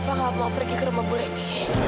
bapak gak mau pergi ke rumah bule ini